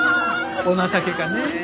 お情けかねえ。